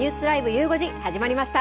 ゆう５時、始まりました。